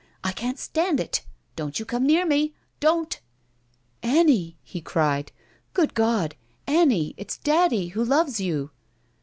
I can't stand it. Don't you come near me I Don't!" "Annie!" he cried. "Good God! Aimie, it's daddy who loves you!"